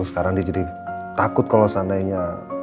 sekarang dia jadi takut kalau seandainya